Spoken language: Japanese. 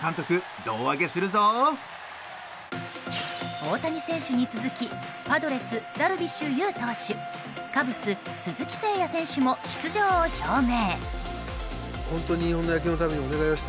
大谷選手に続きパドレス、ダルビッシュ有投手カブス、鈴木誠也選手も出場を表明。